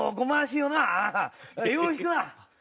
よろしくな！